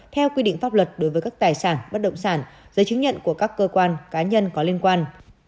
theo quy định pháp luật đối với các tài sản bất động sản giấy chứng nhận của các cơ quan cá nhân có liên quan